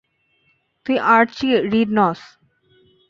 তুই আর্চি রিড নস!